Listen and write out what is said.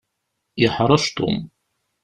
Yeḥṛec Tom.